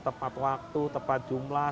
tepat waktu tepat jumlah